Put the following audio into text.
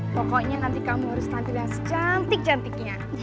pokoknya nanti kamu harus nanti lihat secantik cantiknya